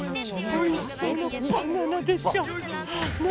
おいしそうなバナナだね。